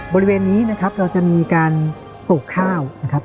บริเวณนี้นะครับเราจะมีการปลูกข้าวนะครับ